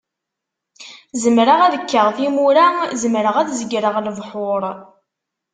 Zemreɣ ad kkeɣ timura zemreɣ ad zegreɣ lebḥur.